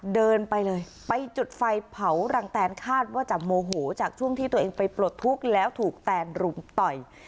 เดินไปเลยไปจุดไฟเผารังแตนคาดว่าจะโมโหจากช่วงที่ตัวเองไปปลดทุกข์แล้วถูกแตนรุมต่อย